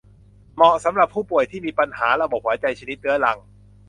เหมาะสำหรับผู้ป่วยที่มีปัญหาระบบหายใจชนิดเรื้อรัง